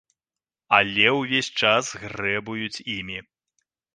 Але ўвесь час грэбуюць імі.